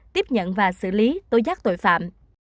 tiếp nhận và xử lý tối giác tội phạm